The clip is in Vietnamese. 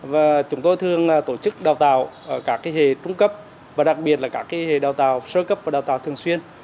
và chúng tôi thường tổ chức đào tạo ở các hề trung cấp và đặc biệt là các hề đào tạo sơ cấp và đào tạo thường xuyên